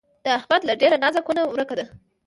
د احمد له ډېره نازه کونه ورکه ده